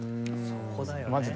そこだよね。